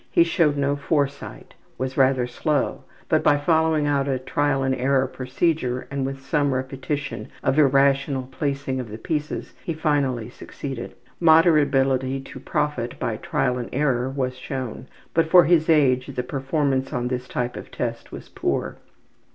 He showed no foresight, was rather slow, but by following out a trial and error procedure and with some repetition of irrational placing of the pieces he finally succeeded. Moderate ability to profit by trial and error was shown, but for his age the performance on this type of test was poor.